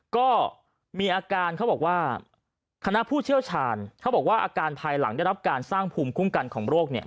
ก็มีอาการเขาบอกว่าคณะผู้เชี่ยวชาญเขาบอกว่าอาการภายหลังได้รับการสร้างภูมิคุ้มกันของโรคเนี่ย